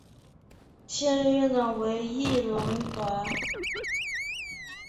现任院长为易荣华。